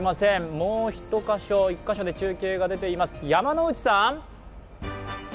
もう１カ所、中継が出ています、山内さん。